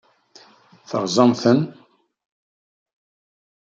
Teṛṛẓam-ten?